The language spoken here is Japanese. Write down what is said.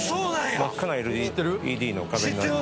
真っ赤なＬＥＤの壁になる。